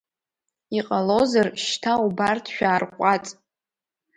Иҟалозар шьҭа убарҭ шәаарҟәаҵ!